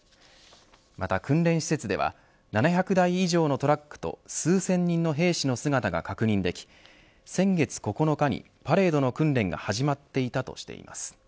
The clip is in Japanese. また関連施設では７００台以上のトラックと数千人の兵士の姿が確認でき先月９日に、パレードの訓練が始まっていたとしています。